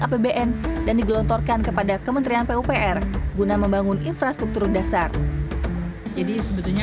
apbn dan digelontorkan kepada kementerian pupr guna membangun infrastruktur dasar jadi sebetulnya